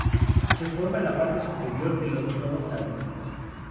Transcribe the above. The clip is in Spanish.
Se forma en la parte superior de los domos salinos.